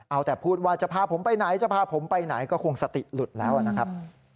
เอาแต่พูดว่าจะพาผมไปไหนจะพาผมไปไหนก็คงสติหลุดแล้วนะครับ